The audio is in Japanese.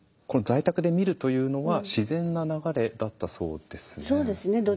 在宅で見るというのは自然な流れだったそうですね。